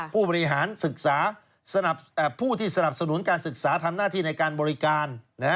ผู้บริหารศึกษาผู้ที่สนับสนุนการศึกษาทำหน้าที่ในการบริการ